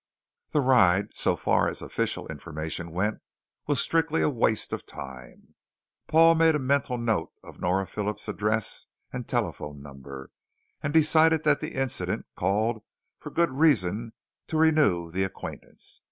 The ride, so far as official information went, was strictly a waste of time. Paul made a mental note of Nora Phillips' address and telephone number and decided that the incident called for good reason to renew the acquaintance.